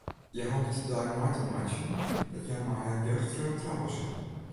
Hja hopet de dei mei te meitsjen dat hja mei har jeugdfreon trouwe sil.